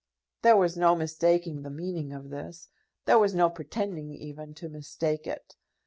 There was no mistaking the meaning of this. There was no pretending even to mistake it.